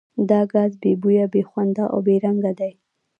دا ګاز بې بویه، بې خونده او بې رنګه دی.